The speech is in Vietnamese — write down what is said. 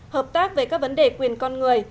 hợp tác về các vấn đề quyền con người